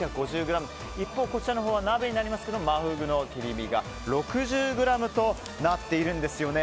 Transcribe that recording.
一方、こちらは鍋になりますが真フグの切り身が６０ｇとなっているんです。